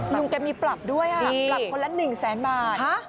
ลุงแกมีปรับด้วยปรับคนละ๑แสนบาท